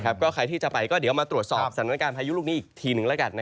ใครที่จะไปก็เดี๋ยวมาตรวจสอบสรรค์การพายุลูกนี้อีกทีหนึ่ง